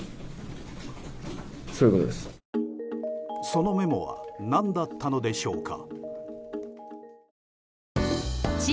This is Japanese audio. そのメモは何だったのでしょうか。